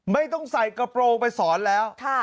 ไม่ต้องใส่กระโปรงไปสอนแล้ว